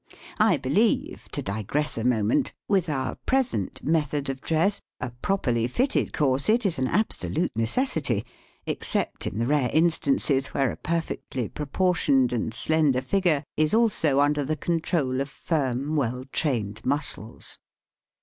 I believe, to digress a mo ment, with our present method of dress, a 7 THE SPEAKING VOICE properly fitted corset is an absolute necessity, except in the rare instances where a perfectly proportioned and slender figure is also un der the control of firm, well trained muscles.